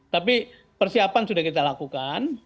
tapi persiapan sudah kita lakukan